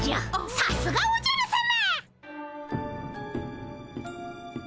さすがおじゃるさま！